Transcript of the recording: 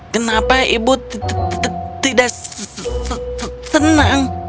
kenapa ibu tidak senang